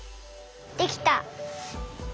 できた！